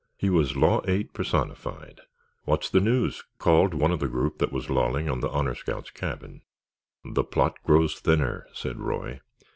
He was Law Eight, personified. "What's the news?" called one of the group that was lolling on the Honor Scout's cabin. "The plot grows thinner," said Roy.